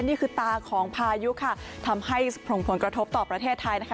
นี่คือตาของพายุค่ะทำให้ส่งผลกระทบต่อประเทศไทยนะคะ